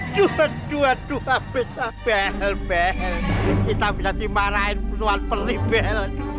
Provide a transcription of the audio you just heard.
duh dua dua besok bel bel kita bisa dimarahin puluhan peli bel